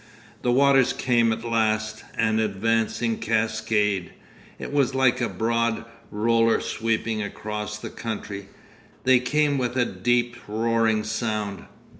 'The waters came at last, an advancing cascade. It was like a broad roller sweeping across the country. They came with a deep, roaring sound.